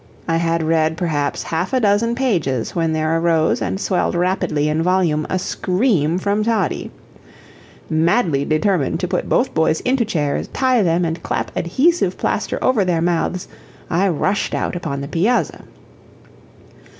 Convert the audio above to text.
I had read perhaps half a dozen pages when there arose and swelled rapidly in volume a scream from Toddie. Madly determined to put both boys into chairs, tie them and clap adhesive plaster over their mouths, I rushed out upon the piazza.